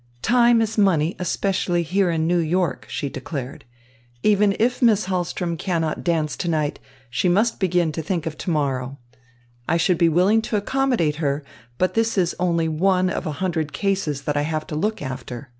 "Time is money, especially here in New York," she declared. "Even if Miss Hahlström cannot dance to night, she must begin to think of to morrow. I should be willing to accommodate her, but this is only one of a hundred cases that I have to look after.